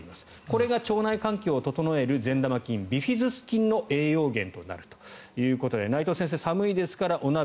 これが腸内環境を整える善玉菌ビフィズス菌の栄養源となるということで内藤先生、寒いですからお鍋。